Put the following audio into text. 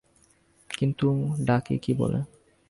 কিন্তু ডাকি কী বলে।